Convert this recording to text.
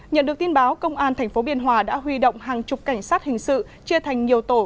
nhận được tin báo công an tp biên hòa đã huy động hàng chục cảnh sát hình sự chia thành nhiều tổ